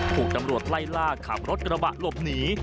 ถูกตำรวจไล่ล่าขับรถกระบะหลบหนี